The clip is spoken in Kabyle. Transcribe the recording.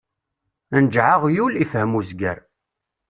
Njeɛ aɣyul, ifhem uzger.